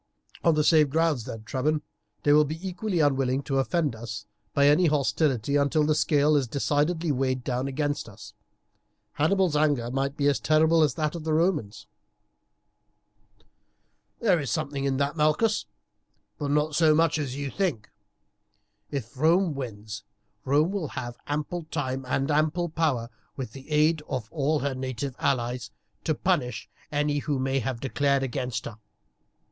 "On the same grounds then, Trebon, they will be equally unwilling to offend us by any hostility until the scale is decidedly weighed down against us. Hannibal's anger might be as terrible as that of the Romans." "There is something in that, Malchus, but not so much as you think. If Rome wins, Rome will have ample time and ample power, with the aid of all her native allies, to punish any who may have declared against her.